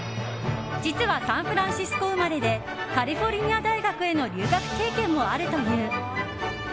実はサンフランシスコ生まれでカリフォルニア大学への留学経験もあるという。